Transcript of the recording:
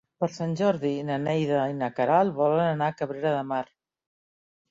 Per Sant Jordi na Neida i na Queralt volen anar a Cabrera de Mar.